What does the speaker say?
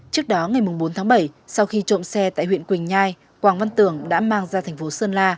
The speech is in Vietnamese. trước đó ngày bốn tháng bảy sau khi trộm xe tại huyện quỳnh nhai quảng văn tưởng đã mang ra thành phố sơn la